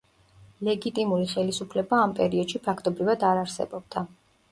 ლეგიტიმური ხელისუფლება ამ პერიოდში ფაქტობრივად არ არსებობდა.